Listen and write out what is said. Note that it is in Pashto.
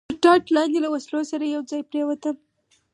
تر ټاټ لاندې له وسلو سره یو ځای پرېوتم.